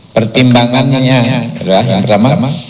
pertimbangannya adalah yang pertama